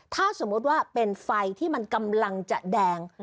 ถ้าสมมุติว่าเป็นไฟที่มันกำลังจะแดง